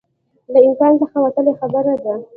له امکان څخه وتلی خبره ده